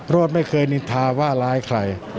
ไม่เคยนินทาว่าร้ายใคร